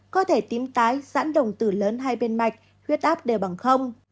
có thể tím tái giãn đồng từ lớn hai bên mạch huyết áp đều bằng không